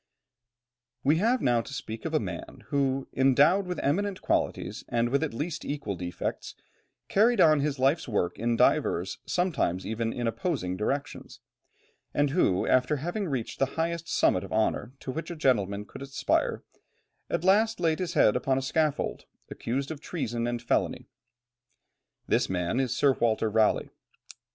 ] We have now to speak of a man who, endowed with eminent qualities and with at least equal defects, carried on his life's work in divers, sometimes even in opposing directions, and who after having reached the highest summit of honour to which a gentleman could aspire, at last laid his head upon a scaffold, accused of treason and felony. This man is Sir Walter Raleigh.